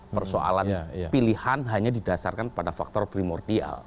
persoalan pilihan hanya didasarkan pada faktor primordial